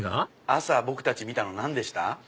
朝僕たち見たの何でした？